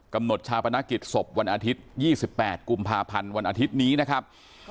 กำหนดชาปนกิจศพวันอาทิตย์๒๘กุมภาพันธ์วันอาทิตย์นี้นะครับ